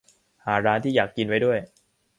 หาร้านที่อยากกินไว้ด้วย